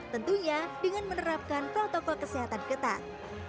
tentunya dengan menerapkan protokol kesehatan ketat